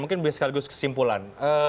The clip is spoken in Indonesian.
mungkin bisa sekaligus kesimpulan